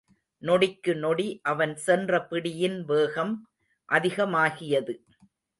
நொடிக்கு நொடி அவன் சென்ற பிடியின் வேகம் அதிகமாகியது.